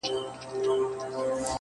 د اخيرت سختي خوارۍ دي.